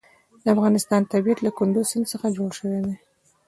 د افغانستان طبیعت له کندز سیند څخه جوړ شوی دی.